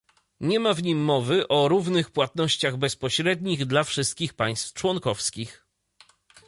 Nie ma w nim mowy o równych płatnościach bezpośrednich dla wszystkich państw członkowskich